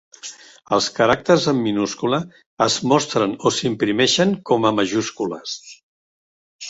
Els caràcters en minúscula es mostren o s'imprimeixen com a majúscules.